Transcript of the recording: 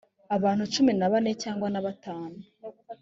abantu cumi na bane cyangwa na batanu